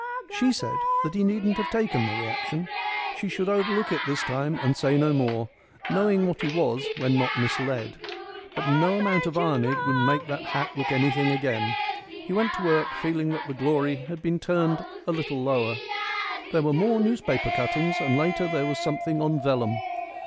She said that he needn't have taken the reaction. She should overlook it this time and say no more, knowing what he was when not misled. But no amount of ironing would make that hat look anything again. He went to work feeling that the glory had been turned a little lower. There were more newspaper cuttings, and later there was something on vellum.